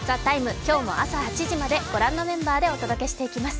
今日も朝８時まで、ご覧のメンバーでお届けしていきます。